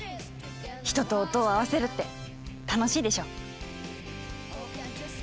人と音を合わせるって楽しいでしょう。